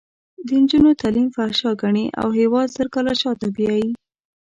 د نجونو تعلیم فحشا ګڼي او هېواد زر کاله شاته بیایي.